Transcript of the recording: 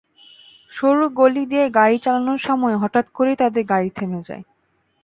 সরু গলি দিয়ে গাড়ি চালানোর সময় হঠাৎ করেই তাঁদের গাড়ি থেমে যায়।